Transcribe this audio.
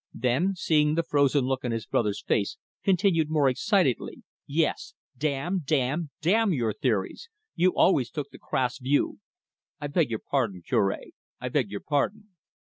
Then, seeing the frozen look on his brother's face, continued, more excitedly: "Yes, damn, damn, damn your theories! You always took the crass view. I beg your pardon, Cure I beg your pardon."